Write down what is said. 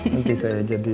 nanti saya ajak dia nih